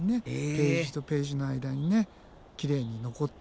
ページとページの間にきれいに残って。